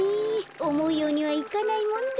おもうようにはいかないもんだよ。